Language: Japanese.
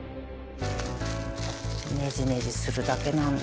ねじねじするだけなんです。